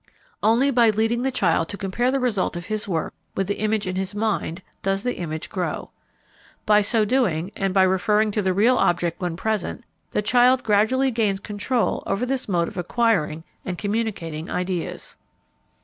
Only by leading the child to compare the result of his work with the image in his mind does the image grow. By so doing, and by referring to the real object when present, the child gradually gains control over this mode of acquiring and communicating ideas.